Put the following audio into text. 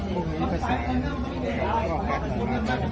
ก็เหมือนกันแต่ว่ามันมากกว่าเป็นละดูด